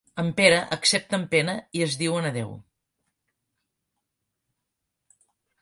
En Pere accepta amb pena i es diuen adéu.